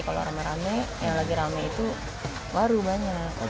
kalau rame rame yang lagi rame itu baru banyak